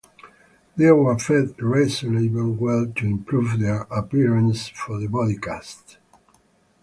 They were fed reasonably well to improve their appearance for the body casts.